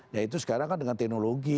nah itu sekarang kan dengan teknologi